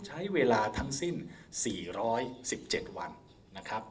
ใช้เวลาทั้งสิ้น๔๑๗วัน